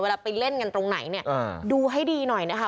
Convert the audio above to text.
ไปเล่นกันตรงไหนเนี่ยดูให้ดีหน่อยนะคะ